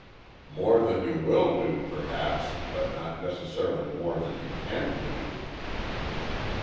"More than you will do, perhaps, but not necessarily more than you can do."